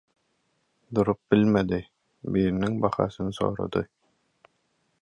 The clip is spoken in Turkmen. Durup bilmedi, biriniň bahasyny sorady.